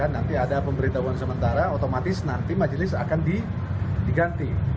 nanti ada pemberitahuan sementara otomatis nanti majelis akan diganti